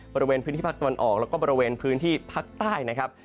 บริเวณพื้นที่ภาคตะวันออกแล้วก็บริเวณพื้นที่ภาคใต้นะครับ